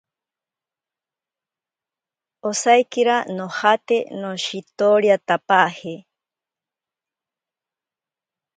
Osaikira nojate noshitoriatapaje.